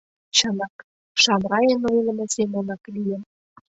Чынак, Шамрайын ойлымо семынак лийын.